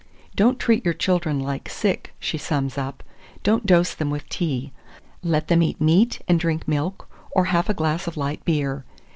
"Don't treat your children like sick," she sums up; "don't dose them with tea. Let them eat meat and drink milk, or half a glass of light beer.